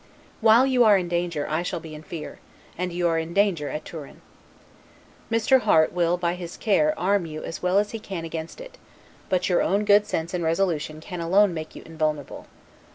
While you are in danger, I shall be in fear; and you are in danger at Turin. Mr. Harte will by his care arm you as well as he can against it; but your own good sense and resolution can alone make you invulnerable.